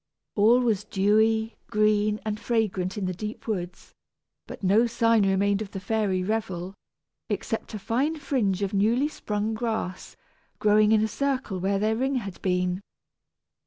All was dewy, green, and fragrant in the deep woods, but no sign remained of the fairy revel, except a fine fringe of newly sprung grass, growing in a circle where their ring had been.